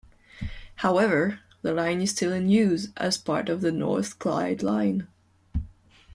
However, the line is still in use as part of the North Clyde Line.